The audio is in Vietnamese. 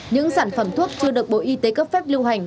những sản phẩm thuốc chưa được bộ y tế cấp phép lưu hành